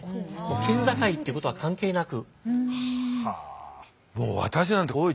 県境ってことは関係なく。